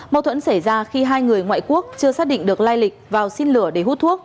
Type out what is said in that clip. mâu thuẫn xảy ra khi hai người ngoại quốc chưa xác định được lai lịch vào xin lửa để hút thuốc